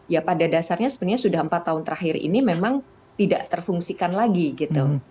ya pada dasarnya sebenarnya sudah empat tahun terakhir ini memang tidak terfungsikan lagi gitu